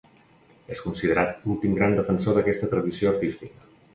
És considerat l'últim gran defensor d'aquesta tradició artística.